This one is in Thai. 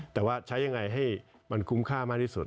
แต่ว่าใช้ยังไงให้มันคุ้มค่ามากที่สุด